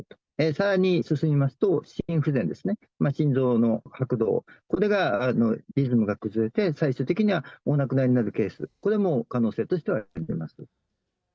さらに進みますと、心不全ですね、心臓の拍動、これがリズムが崩れて、最終的にお亡くなりになるケース、これも可能性としてはあります。